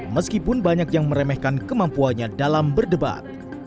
meskipun banyak yang meremehkan kemampuannya dalam berdebat